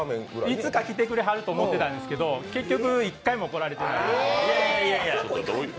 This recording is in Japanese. いつか来てくれはると思ってたんですけど、結局、１回も来られてない。